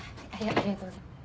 ありがとうございます。